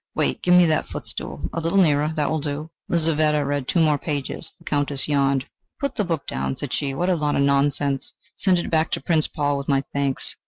Wait give me that footstool a little nearer that will do." Lizaveta read two more pages. The Countess yawned. "Put the book down," said she: "what a lot of nonsense! Send it back to Prince Paul with my thanks...